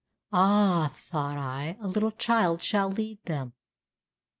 "Ah," thought I, "a little child shall lead them."